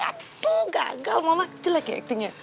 aduh gagal mama jelek ya aktinya